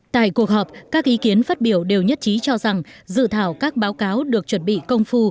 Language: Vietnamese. tại cuộc họp các ý kiến phát biểu đều nhất trí cho rằng dự thảo các báo cáo được chuẩn bị công phu